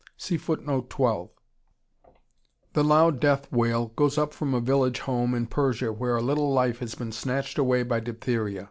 The loud death wail goes up from a village home in Persia where a little life has been snatched away by diphtheria.